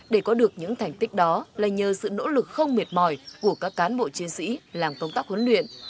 để có được những thành tích đó là nhờ sự nỗ lực không mệt mỏi của các cán bộ chiến sĩ làm công tác huấn luyện